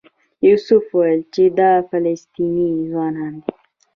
یوسف وویل چې دا فلسطینی ځوانان دي.